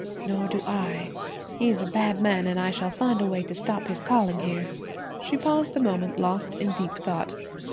"Nor do I; he is a bad man and I shall find a way to stop his calling here." She paused a moment lost in deep thought.